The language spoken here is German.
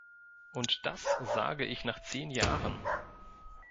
Und das sage ich nach zehn Jahren!